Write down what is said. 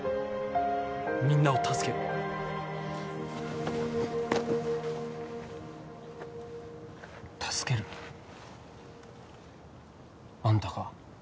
みんなを助ける助ける？あんたが？